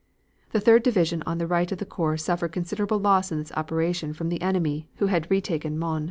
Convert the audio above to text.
The Third Division on the right of the corps suffered considerable loss in this operation from the enemy, who had retaken Mons.